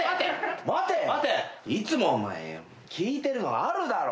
いつも聞いてるのあるだろ。